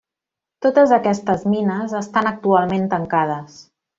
Totes aquestes mines estan actualment tancades.